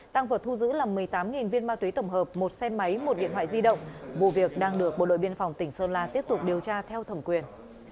tăng vật thu giữ là một mươi tám viên ma túy tổng hợp một xe máy một điện thoại di động vụ việc đang được bộ đội biên phòng tỉnh sơn la tiếp tục điều tra theo thẩm quyền